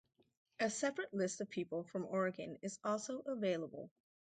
A separate list of people from Oregon is also available.